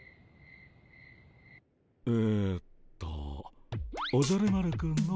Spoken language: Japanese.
えっとおじゃる丸くんのお友達？